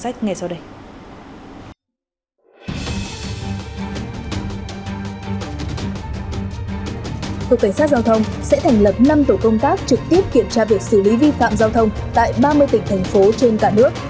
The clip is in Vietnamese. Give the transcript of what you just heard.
cục cảnh sát giao thông sẽ thành lập năm tổ công tác trực tiếp kiểm tra việc xử lý vi phạm giao thông tại ba mươi tỉnh thành phố trên cả nước